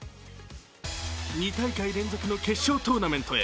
２大会連続の決勝トーナメントへ。